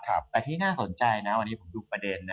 แต่ที่น่าสนใจนะวันนี้ผมดูประเด็นนะ